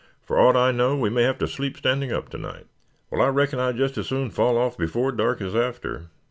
For aught I know we may have to sleep standing up to night." "Well, I reckon I'd just as soon fall off before dark as after.